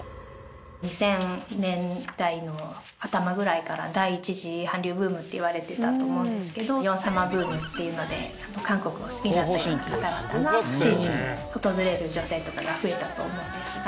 ２０００年代の頭ぐらいから第１次韓流ブームっていわれてたと思うんですけどヨン様ブームっていうので韓国を好きになったような方々が聖地に訪れる女性とかが増えたと思うんですが。